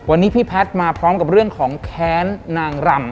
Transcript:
วันนี้พี่แพทย์มาพร้อมกับเรื่องของแค้นนางรำ